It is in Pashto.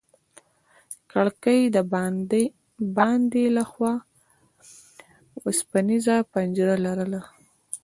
کړکۍ د باندې له خوا وسپنيزه پنجره لرله.